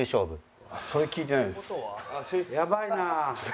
やばいなあ！